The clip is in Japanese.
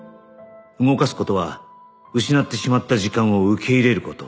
動かす事は失ってしまった時間を受け入れる事